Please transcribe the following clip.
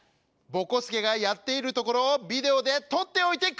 ぼこすけがやっているところをビデオでとっておいてください！